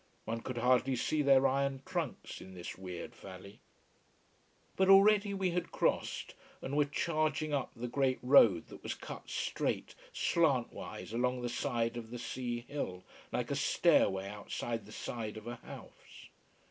One could hardly see their iron trunks, in this weird valley. But already we had crossed, and were charging up the great road that was cut straight, slant wise along the side of the sea hill, like a stairway outside the side of the house.